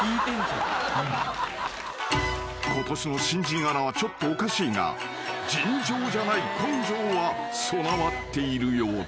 ［ことしの新人アナはちょっとおかしいが尋常じゃない根性は備わっているようです］